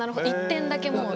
１点だけもう。